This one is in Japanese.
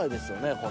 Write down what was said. これ。